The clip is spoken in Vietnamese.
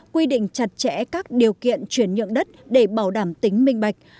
quy định chặt chẽ các điều kiện chuyển nhượng đất để bảo đảm tính minh bạch